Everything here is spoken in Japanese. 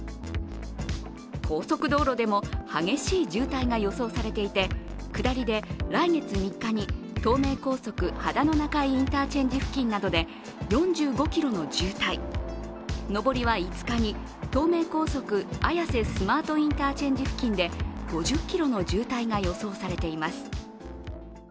高速道路でも激しい渋滞が予想されていて下りで来月３日に東名高速道路で秦野中井インターチェンジで４５ｋｍの渋滞、上りは５日に東名高速・綾瀬スマートインターチェンジ付近で５０ｋｍの渋滞が予想されています。